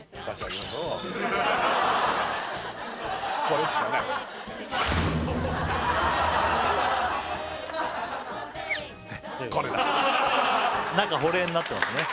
これしかないこれだ中保冷になってますね